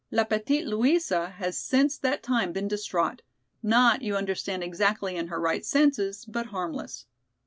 La petite Louisa has since that time been distrait, not you understand exactly in her right senses, but harmless.